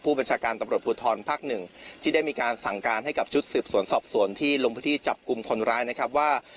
บัญชาการตำรวจภูทรภาคหนึ่งที่ได้มีการสั่งการให้กับชุดสืบสวนสอบสวนที่ลงพื้นที่จับกลุ่มคนร้ายนะครับว่า